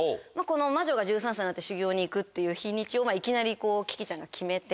魔女が１３歳になって修業に行くっていう日にちをいきなりキキちゃんが決めて。